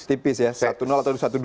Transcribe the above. tipis ya satu atau satu dua